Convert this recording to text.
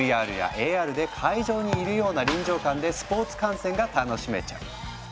ＶＲやＡＲで会場にいるような臨場感でスポーツ観戦が楽しめちゃう。